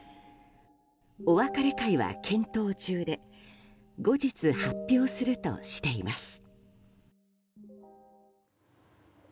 お別れ会は検討中で後日、発表するとしています。